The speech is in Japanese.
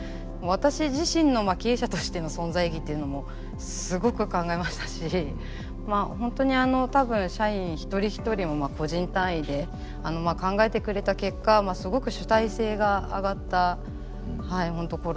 私自身の経営者としての存在意義っていうのもすごく考えましたし本当に多分社員一人一人も個人単位で考えてくれた結果すごく主体性が上がったはい本当